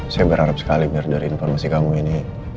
saya berharap sekali mir dari informasi kamu ini